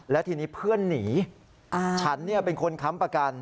แล้วทีนี้เพื่อนหนีฉันเป็นคนค้ำประกัน